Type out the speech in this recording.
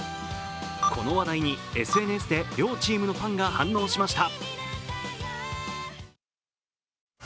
この話題にＳＮＳで、両チームのファンが反応しました。